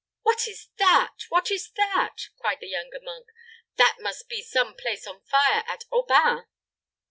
"What is that? what is that?" cried the younger monk. "That must be some place on fire at Aubain."